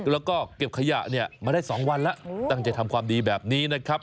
แล้วก็เก็บขยะเนี่ยมาได้๒วันแล้วตั้งใจทำความดีแบบนี้นะครับ